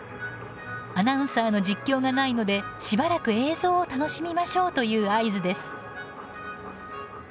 アナウンサーの実況がないのでしばらく映像を楽しみましょうという合図です。